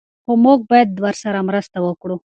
خو موږ باید ورسره مرسته وکړو.